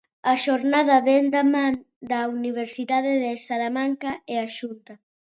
A xornada vén da man da Universidade de Salamanca e a Xunta.